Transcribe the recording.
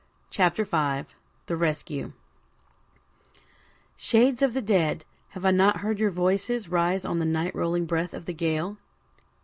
CHAPTER 5 THE RESCUE Shades of the dead, have I not heard your voices Rise on the night rolling breath of the gale?